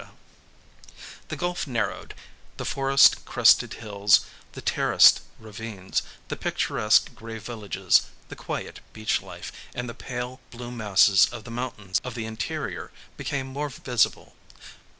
[Picture: Fujisan] The gulf narrowed, the forest crested hills, the terraced ravines, the picturesque grey villages, the quiet beach life, and the pale blue masses of the mountains of the interior, became more visible.